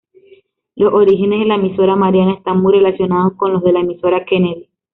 Los orígenes de la Emisora Mariana están muy relacionados con los de Emisora Kennedy.